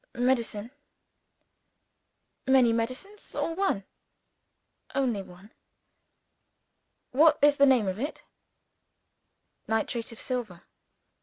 "Medicine." "Many medicines? or one?" "Only one." "What is the name of it?" "Nitrate of Silver."